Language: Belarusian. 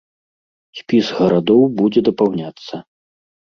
Спіс гарадоў будзе дапаўняцца.